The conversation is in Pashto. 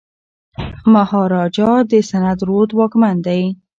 مهاراجا د سند رود واکمن دی.